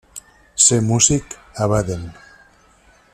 Ser músic a Baden.